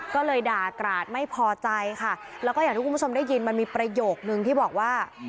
ก็เลยด่ากราดไม่พอใจค่ะแล้วก็อย่างที่คุณผู้ชมได้ยินมันมีประโยคนึงที่บอกว่า